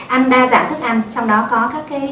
ăn đa dạng thức ăn trong đó có các cái